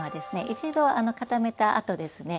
一度固めたあとですね